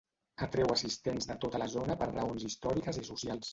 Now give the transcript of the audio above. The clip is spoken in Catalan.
Atreu assistents de tota la zona per raons històriques i socials.